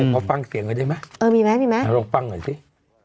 พอฟังเสียงกันได้ไหมเออมีไหมพอฟังหน่อยสิ